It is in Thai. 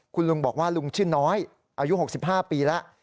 คุณลุงบอกว่าลุงชื่อน้อยอายุ๖๕ปีแล้ว